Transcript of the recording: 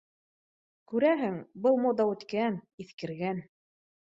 Күрәһең, был мода үткән, иҫкергән